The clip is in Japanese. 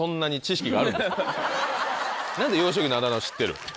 何で幼少期のあだ名を知ってる？